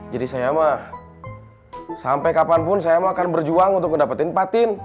jadi saya mah sampai kapanpun saya mah akan berjuang untuk mendapatin patin